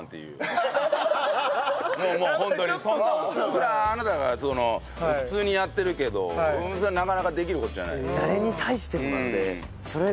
それはあなたが普通にやってるけどそれはなかなかできる事じゃないよ。